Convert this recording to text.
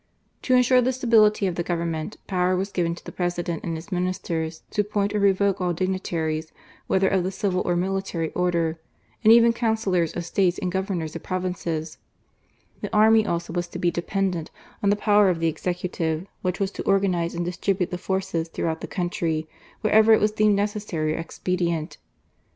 To ensure the staliility of the Government, power was given to the President and his Ministers to appoint or revoke all dignitaries, whether of the civil or military order, and even Councillors of State and Governors of Provinces* The army also was to be dependent on the power of the Executive, which was to organize and dis tribute the forces throughout the country wherever it was deemed necessary or expedient.